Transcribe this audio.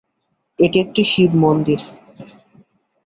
এটি একটি শিব মন্দির।